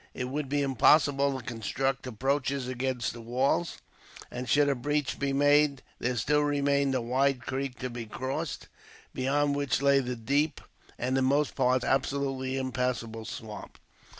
It would be impossible to construct approaches against the walls; and, should a breach be made, there still remained a wide creek to be crossed, beyond which lay the deep, and in most parts absolutely impassable, swamp.